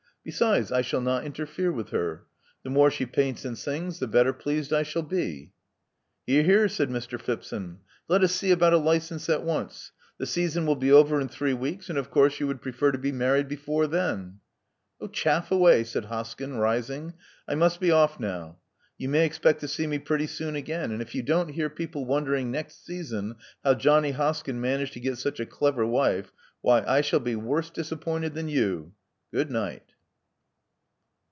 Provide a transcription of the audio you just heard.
Besides, I shall not interfere with her. The * more she paints and sings, the better pleased I shall be." Hear, hear," said Mr. Phipson. "Let us see about a licence at once. The season will be over in three weeks; and of course you would prefer to be married before then." "Chaff away," said Hoskyn, rising. "I must be off now. You may expect to see me pretty soon again ; and if you don't hear people wondering next season how Johnny Hoskyn managed to get such a clever wife — why, I shall be worse disappointed than you. Goodnight."